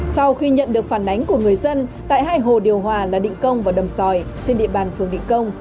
sau khi nhận được phản ánh của người dân tại hai hồ điều hòa là định công và đầm sòi trên địa bàn phường định công